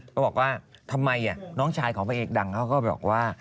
เขาบอกว่าทำไมน้องชายของพระเอกดังเขาก็บอกว่า